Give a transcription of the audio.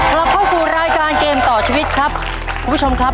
กลับเข้าสู่รายการเกมต่อชีวิตครับคุณผู้ชมครับ